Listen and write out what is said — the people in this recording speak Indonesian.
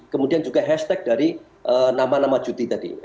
kemudian juga hashtag dari nama nama cuti tadi